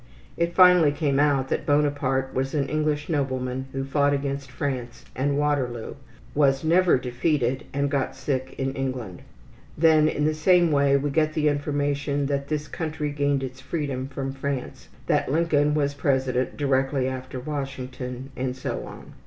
It finally came out that Bonaparte was an English nobleman who fought against France and Waterloo, was never defeated, and got sick in England. Then in the same way we get the information that this country gained its freedom from France, that Lincoln was president directly after Washington, and so on.